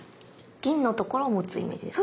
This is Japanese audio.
銀のところを持つイメージですか？